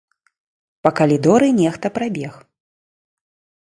Па калідоры нехта прабег.